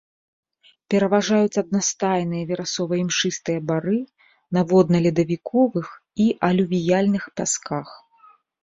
Пераважаюць аднастайныя верасова-імшыстыя бары на водна-ледавіковых і алювіяльных пясках.